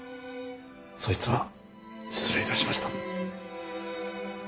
そいつは失礼いたしました。